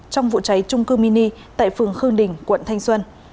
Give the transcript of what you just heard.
trong vụ cháy trung cư mini tại phường khương đình quận thanh xuân